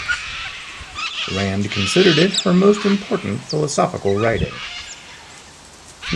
Rand considered it her most important philosophical writing.